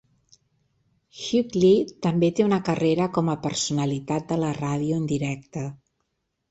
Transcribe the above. Hughley també té una carrera com a personalitat de la ràdio en directe.